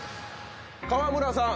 川村さん